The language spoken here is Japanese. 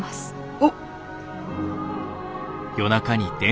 おっ！